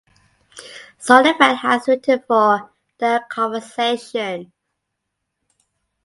Zondervan has written for "The Conversation".